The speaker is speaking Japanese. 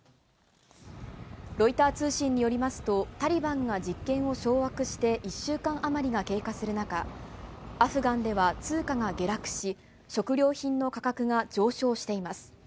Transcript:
ロイター通信によりますと、タリバンが実権を掌握して１週間余りが経過する中、アフガンでは通貨が下落し、食料品の価格が上昇しています。